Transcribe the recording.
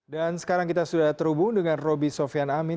dan sekarang kita sudah terhubung dengan roby sofian amin